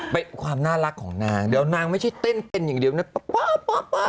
ไปความน่ารักของนางเดี๋ยวนางไม่ใช่เต้นอย่างเดียวนางป้าป้าป้า